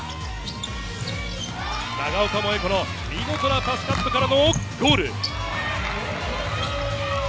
長岡萌映子の見事なパスカットからのゴール。